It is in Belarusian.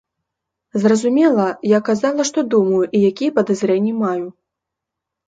Зразумела, я казала, што я думаю і якія падазрэнні маю.